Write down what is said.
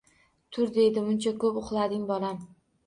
Tur deydi, muncha ko’p uxlading, bolam.